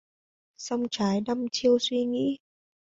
Song trái đăm chiêu suy nghĩ